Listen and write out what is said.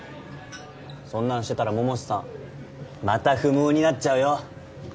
そんなんしてたら百瀬さんまた不毛になっちゃうよ？